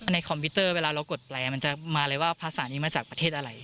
คอมพิวเตอร์เวลาเรากดไลค์มันจะมาเลยว่าภาษานี้มาจากประเทศอะไร